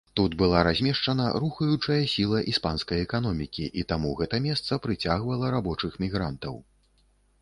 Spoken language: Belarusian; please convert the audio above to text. Тут была размешчана рухаючая сіла іспанскай эканомікі, і таму гэта месца прыцягвала рабочых мігрантаў.